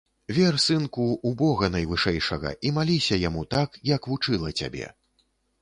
Вер, сынку, у бога найвышэйшага і маліся яму так, як вучыла цябе.